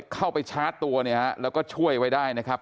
เข้าไปชาร์จตัวเนี่ยฮะแล้วก็ช่วยไว้ได้นะครับ